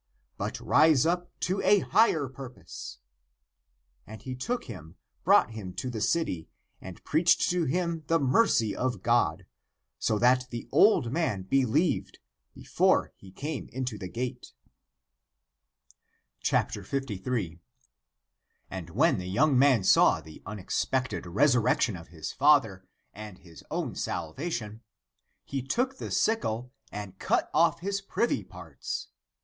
But rise up to a higher purpose !" And he took him, brought him to the city, and preached to him of the mercy of God, so that the old men believed, before he came into the gate, 53. And when the young man saw the unex pected resurrection of his father and his own salva tion, he took the sickle and cut off his privy parts.